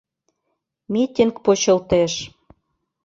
Митинг почылтеш.